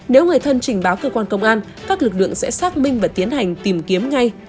nếu người thân trình báo cơ quan công an các lực lượng sẽ xác minh và tiến hành tìm kiếm ngay